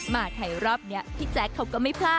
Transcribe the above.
มาถ่ายรอบเนี้ยพี่แจ็คเขาก็ไม่พูดว่า